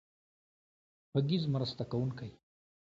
غږیز مرسته کوونکی.